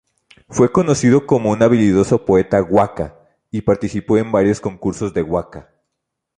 Fue conocido como un habilidoso poeta "waka" y participó en varios concursos de waka.